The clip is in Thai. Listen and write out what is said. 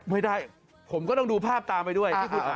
ไม่ได้ผมก็ต้องดูภาพตามไปด้วย